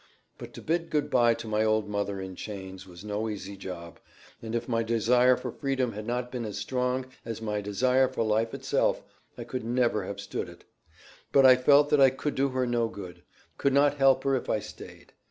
But to bid good bye to my old mother in chains, was no easy job, and if my desire for freedom had not been as strong as my desire for life itself, I could never have stood it; but I felt that I could do her no good; could not help her if I staid.